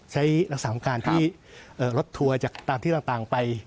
ใช้รักษาของการที่รถทัวร์จากตามที่ต่างไป